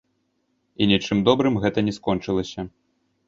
І нічым добрым гэта не скончылася.